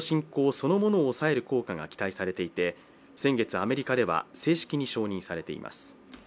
そのものを抑える効果が期待されていて先月、アメリカでは正式に承認されています。